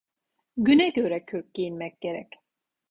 Güne göre kürk giyinmek gerek.